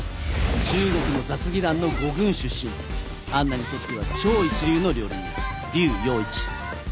中国の雑技団の五軍出身アンナにとっては超一流の料理人リュウ楊一。